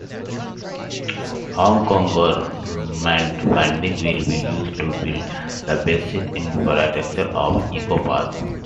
Hong Kong Government funding will be used to build the basic infrastructure of EcoPark.